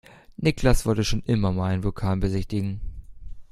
Niklas wollte schon immer mal einen Vulkan besichtigen.